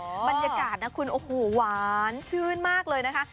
บรรยากาศนะคุณโอ้โหหวานชื่นมากเลยนะคะ